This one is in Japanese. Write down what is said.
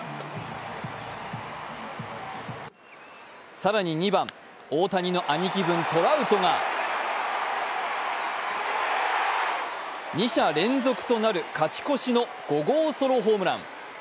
更に２番、大谷の兄貴分・トラウトが２者連続となる勝ち越しの５号ソロホームラン。